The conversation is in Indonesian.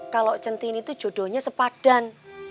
kalau centini itu jodohnya sepadan